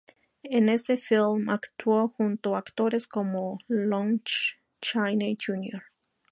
En ese film actuó junto a actores como Lon Chaney Jr.